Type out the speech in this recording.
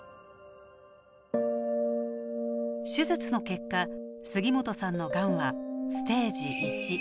手術の結果杉本さんのがんはステージ１。